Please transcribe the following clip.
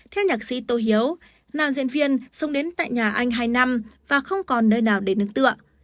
theo nhạc sĩ tô hiếu nàm diễn viên sống đến tại nhà anh hai năm và không còn nơi nào để nâng tựa